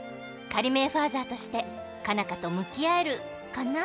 仮免ファーザーとして佳奈花と向き合えるカナ？